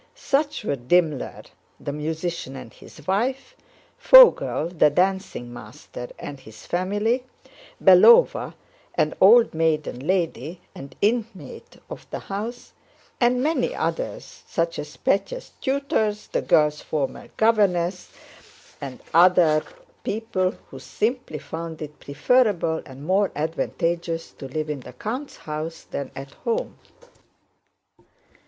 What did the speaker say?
Such were Dimmler the musician and his wife, Vogel the dancing master and his family, Belóva, an old maiden lady, an inmate of the house, and many others such as Pétya's tutors, the girls' former governess, and other people who simply found it preferable and more advantageous to live in the count's house than at home.